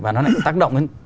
và nó lại tác động